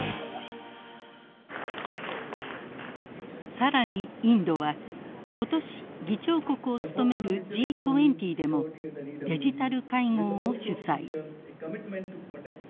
更にインドは今年議長国を務めるＧ２０でもデジタル会合を主催。